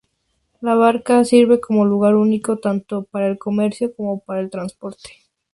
La Barca sirve como lugar único tanto para el comercio como para el transporte.